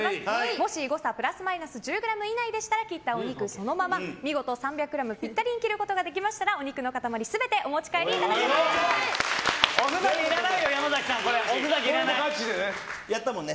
もし誤差プラスマイナス１０ｇ以内でしたら切ったお肉をそのまま見事３００ｇピッタリに切ることができればお肉の塊全ておふざけいらないよやったもんね。